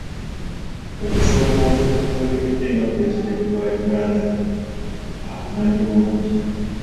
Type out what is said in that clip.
Okusoomooza okumwolekedde nga pulezidenti wa Uganda akumanyi bulungi.